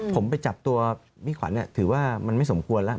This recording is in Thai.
ผมไปจับตัวพี่ขวัญถือว่ามันไม่สมควรแล้ว